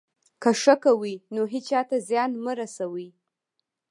که ښه کوئ، نو هېچا ته زیان مه رسوئ.